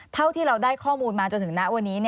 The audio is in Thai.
เท่าที่เราได้ข้อมูลมาจนถึงณวันนี้